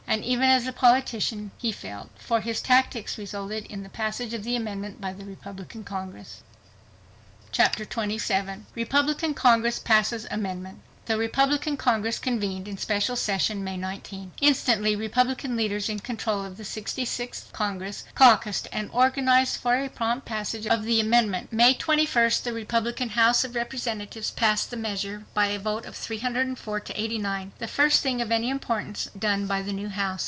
And even as a politician he failed, for his tactics resulted in the passage of the amendment by a Republican Congress. Chapter 27 Republican Congress Passes Amendment The Republican Congress convened in Special Session May 19. Instantly Republican leaders in control of the 66th Congress caucused and organized for a prompt passage of the amendment. May 21st the Republican House of Representatives passed the measure by a vote of 304 to 89—the first thing of any importance done by the new House.